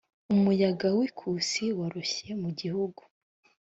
umuyaga w ikusi woroshye mu gihugu